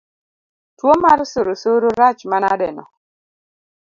Tuo mar surusuru rach manadeno